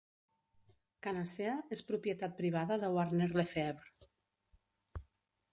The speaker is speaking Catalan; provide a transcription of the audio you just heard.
Kanacea és propietat privada de Warner Lefevre.